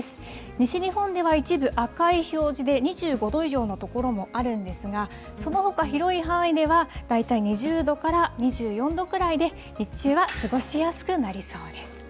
西日本では一部、赤い表示で、２５度以上の所もあるんですが、そのほか広い範囲では、大体２０度から２４度くらいで、日中は過ごしやすくなりそうです。